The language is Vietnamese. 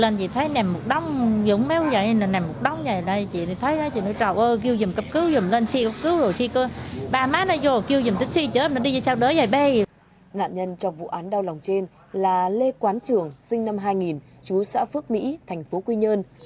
nạn nhân trong vụ án đau lòng trên là lê quán trường sinh năm hai nghìn chú xã phước mỹ thành phố quy nhơn